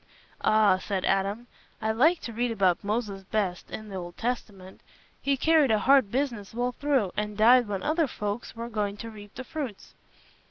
"Ah," said Adam, "I like to read about Moses best, in th' Old Testament. He carried a hard business well through, and died when other folks were going to reap the fruits.